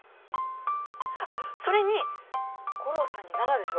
あっそれに五郎さんに奈々でしょ。